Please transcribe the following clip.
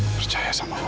percaya sama aku